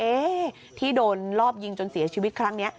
ที่โดนรอบยิงจนเสียชีวิตครั้งนี้